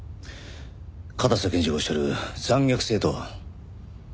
片瀬検事がおっしゃる残虐性とは？